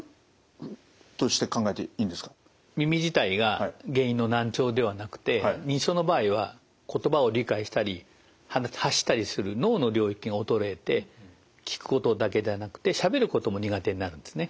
耳自体が原因の難聴ではなくて認知症の場合は言葉を理解したり発したりする脳の領域が衰えて聞くことだけではなくてしゃべることも苦手になるんですね。